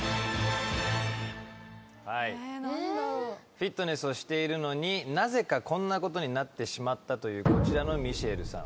フィットネスをしているのになぜかこんなことになってしまったというこちらのミシェルさん